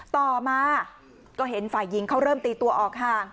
ต่อมาก็เห็นฝ่ายหญิงเขาเริ่มตีตัวออกห่าง